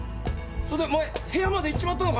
それでお前部屋まで行っちまったのか？